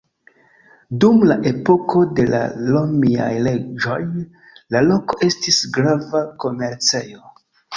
Dum la epoko de la romiaj reĝoj la loko estis grava komercejo.